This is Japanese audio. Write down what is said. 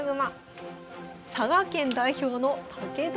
佐賀県代表の武富？